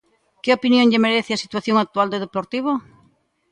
Que opinión lle merece a situación actual do Deportivo?